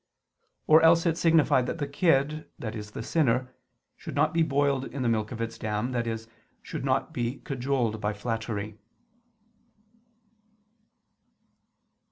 Or else it signifies that the kid, i.e. the sinner, should not be boiled in the milk of its dam, i.e. should not be cajoled by flattery.